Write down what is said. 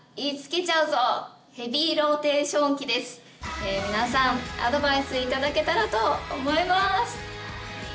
まさに皆さんアドバイス頂けたらと思います。